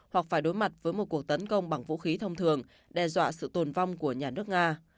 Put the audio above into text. hoặc phải đối mặt với một cuộc tấn công bằng vũ khí thông thường đe dọa sự tồn vong của nhà nước nga